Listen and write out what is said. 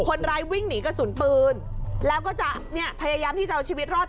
คนร้ายวิ่งหนีกระสุนปืนแล้วก็จะเนี่ยพยายามที่จะเอาชีวิตรอด